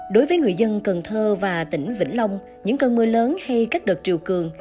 đối với người dân cần thơ và tỉnh vĩnh long những cơn mưa lớn hay các đợt triều cường